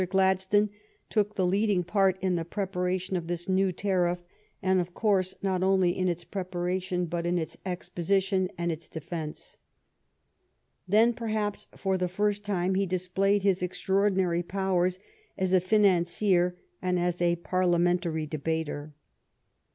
Gladstone took the leading part in the prepa 86 THE STORY OF GLADSTONE'S LIFE ration of this new tariff, and, of course, not only in its preparation but in its exposition and its defence. Then perhaps for the first time he dis played his extraordinary powers as a financier and as a Parliamentary debater.